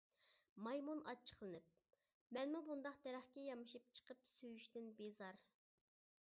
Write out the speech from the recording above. مايمۇن ئاچچىقلىنىپ:-مەنمۇ بۇنداق دەرەخكە يامىشىپ چىقىپ سۆيۈشتىن بىزار.